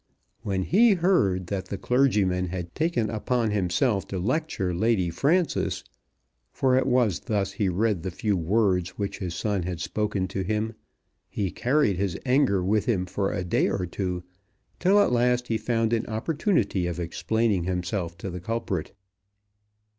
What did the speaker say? When he heard that the clergyman had taken upon himself to lecture Lady Frances, for it was thus he read the few words which his son had spoken to him, he carried his anger with him for a day or two, till at last he found an opportunity of explaining himself to the culprit.